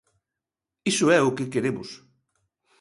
Iso é o que queremos.